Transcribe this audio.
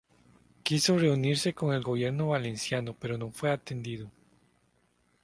Quiso reunirse con el gobierno valenciano pero no fue atendido.